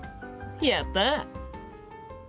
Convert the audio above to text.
やった！